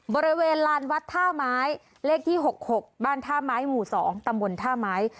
บริเวณลานวัดท่าไม้เลขที่๖๖บ้านท่าไม้หมู่๒ตำบลท่าไม้